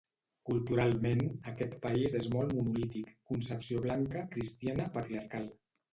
Culturalment, aquest país és molt monolític: concepció blanca, cristiana, patriarcal.